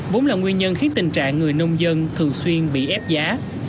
vốn là nguyên nhân khiến tình trạng người nông dân thường xuyên bị ép giá